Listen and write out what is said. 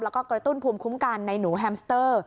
แล้วก็กระตุ้นภูมิคุ้มกันในหนูแฮมสเตอร์